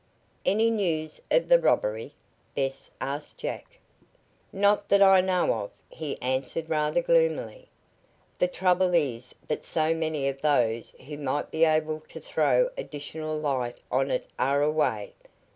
"Any news of the robbery?" Bess asked Jack. "Not that I know of," he answered rather gloomily. "The trouble is that so many of those who might be able to throw additional light on it are away.